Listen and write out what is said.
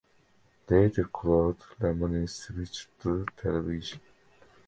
Later Claude Lemoine switched to television.